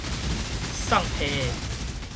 送批的